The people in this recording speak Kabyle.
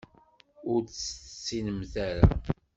Ur tt-tessinemt ara.